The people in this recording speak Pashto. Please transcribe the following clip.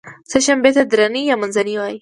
سې شنبې ورځې ته درینۍ یا منځنۍ وایی